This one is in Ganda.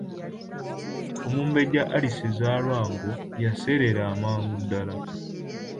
Omumbejja Alice Zzaalwango yaseerera amangu ddala.